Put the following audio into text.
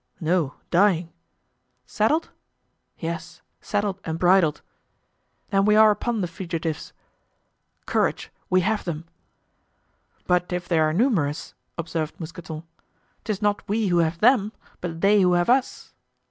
"No, dying." "Saddled?" "Yes, saddled and bridled." "Then we are upon the fugitives." "Courage, we have them!" "But if they are numerous," observed Mousqueton, "'tis not we who have them, but they who have us."